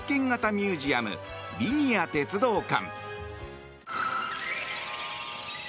ミュージアムリニア・鉄道館。